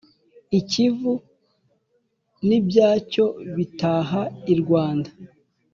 ikivu n’ibyacyo bitaha i rwanda.